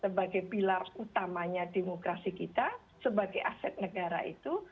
sebagai pilar utamanya demokrasi kita sebagai aset negara itu